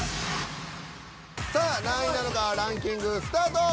さあ何位なのかランキングスタート！